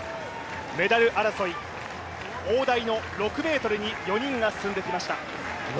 メダル争い、大台の６ｍに４人が進んできました。